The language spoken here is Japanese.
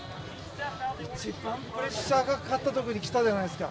一番プレッシャーかかったところにきたじゃないですか。